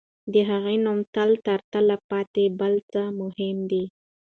د هغې نوم تر تل پاتې بل څه مهم دی.